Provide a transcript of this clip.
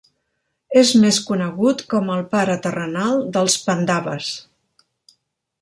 És més conegut com el pare terrenal dels Pandaves.